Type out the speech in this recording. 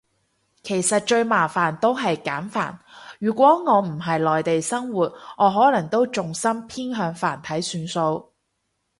其實最麻煩都係簡繁，如果我唔係内地生活，我可能都重心偏向繁體算數